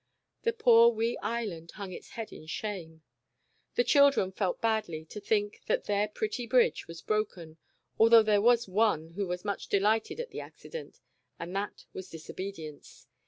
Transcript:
The poor wee Island hung his head in shame. The children felt badly to think that their pretty bridge was broken, although there was one who was much delighted at the accident, and that was Disobedience.